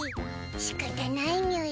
しかたないにゅい。